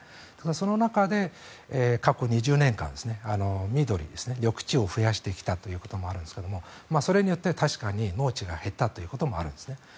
その中で過去２０年間緑、緑地を増やしてきたということもあるんですがそれによって確かに農地が減ったということもあるんです。